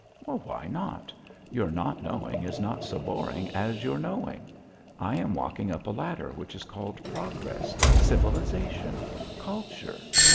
"Why not? Your 'not knowing' is not so boring as your 'knowing.' I am walking up a ladder which is called progress, civilisation, culture.